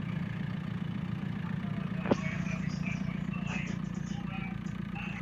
তাঁদের বেশির ভাগেরই ঠিকানা দেখানো হয়েছে ভারতের পশ্চিমবঙ্গ রাজ্যের হাবড়ার বাবুপাড়ায়।